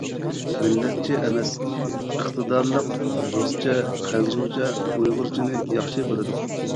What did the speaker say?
مىللەتچى ئەمەس، ئىقتىدارلىق، رۇسچە، خەنزۇچە، ئۇيغۇرچىنى ياخشى بىلىدۇ.